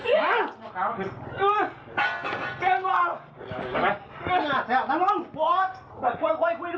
เจ้าเพื่อนไงช่วยดิ